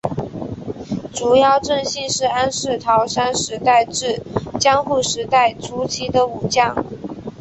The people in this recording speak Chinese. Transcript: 竹腰正信是安土桃山时代至江户时代初期的武将。